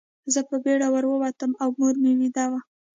زه په بېړه ور ووتم او مور مې ویده وه